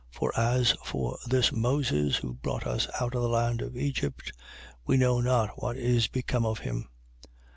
For as for this Moses, who brought us out of the land of Egypt, we know not what is become of him.